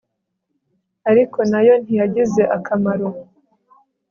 ariko na yo ntiyagize akamaro